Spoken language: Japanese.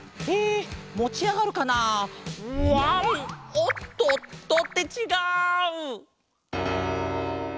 おっとっと。ってちがう！